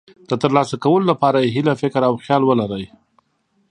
د ترلاسه کولو لپاره یې هیله، فکر او خیال ولرئ.